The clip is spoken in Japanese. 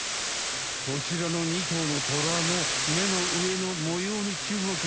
こちらの２とうのトラの目の上の模様にちゅうもく。